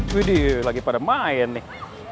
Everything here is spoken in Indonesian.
wih dih lagi pada main nih